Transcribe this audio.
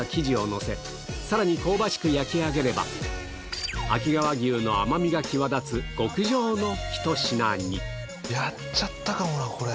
香ばしく焼き上げれば秋川牛の甘みが際立つ極上のひと品にやっちゃったかもなこれ。